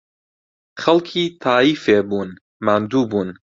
خەڵکی تاییفێ بوون، ماندوو بوون